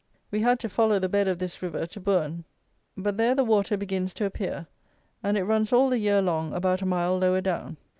We had to follow the bed of this river to Bourne; but there the water begins to appear; and it runs all the year long about a mile lower down.